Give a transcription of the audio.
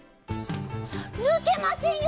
ぬけませんよ